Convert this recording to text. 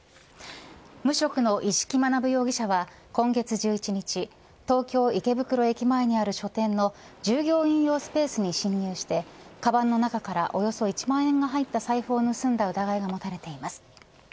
無職の一色学容疑者は今月１１日東京、池袋駅前にある書店の従業員用スペースに侵入してかばんの中からおよそ１万円が入った財布を盗んだ疑いが持たれています。